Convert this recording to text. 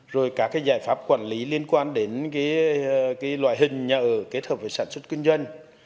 rồi các giải pháp quản lý liên quan đến loại hình nhà ở kết hợp với sản xuất kinh doanh